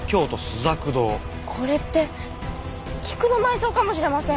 これって『菊の埋葬』かもしれません。